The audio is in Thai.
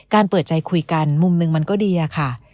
เปิดใจคุยกันมุมหนึ่งมันก็ดีอะค่ะ